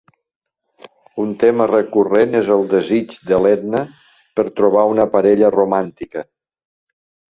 Un tema recurrent és el desig de l'Edna per trobar una parella romàntica.